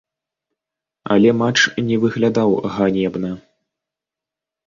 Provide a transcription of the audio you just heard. Але матч не выглядаў ганебна.